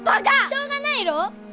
しょうがないろう！